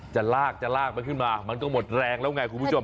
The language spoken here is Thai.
จะลากมันขึ้นมามันต้องหมดแรงแล้วไงคุณผู้ชม